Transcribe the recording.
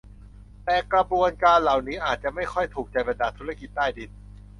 แต่กระบวนการเหล่านี้อาจจะไม่ค่อยถูกใจบรรดาธุรกิจใต้ดิน